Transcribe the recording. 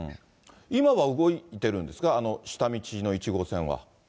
今は動いてるんですか、下道の１号線は。